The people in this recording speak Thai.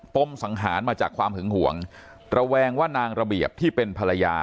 มสังหารมาจากความหึงห่วงระแวงว่านางระเบียบที่เป็นภรรยา